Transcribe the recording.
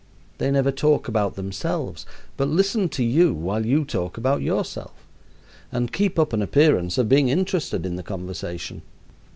They never talk about themselves but listen to you while you talk about yourself, and keep up an appearance of being interested in the conversation.